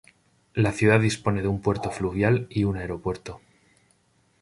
La ciudad dispone de un puerto fluvial y un aeropuerto.